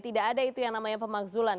tidak ada itu yang namanya pemakzulan